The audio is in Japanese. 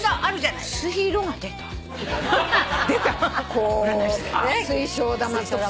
こう水晶玉とか。